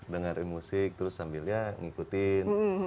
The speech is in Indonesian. dengarin musik terus sambilnya ngikutin